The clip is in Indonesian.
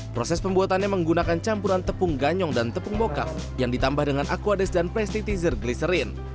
proses pembuatannya menggunakan campuran tepung ganyong dan tepung mokak yang ditambah dengan aquades dan plestitizer gliserin